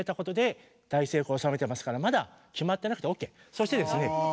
そしてですね